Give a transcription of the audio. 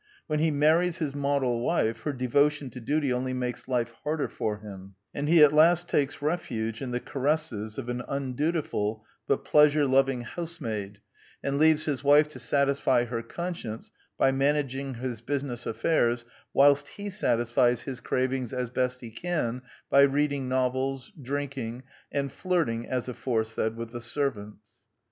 When he marries his model wife, her de votion to duty only makes life harder for him; and he at last takes refuge in the caresses of an undutiful but pleasure loving housemaid, and leaves his wife to satisfy her conscience by man aging his business affairs whilst he satisfies his cravings as best he can by reading novels, drink ing, and flirting, as aforesaid, with the servants.